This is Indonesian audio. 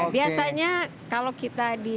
biasanya kalau kita